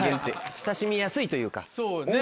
親しみやすいというか。